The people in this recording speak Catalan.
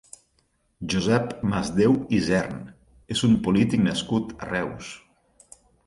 Josep Masdeu Isern és un polític nascut a Reus.